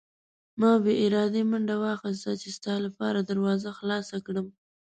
ما بې ارادې منډه واخیسته چې ستا لپاره دروازه خلاصه کړم.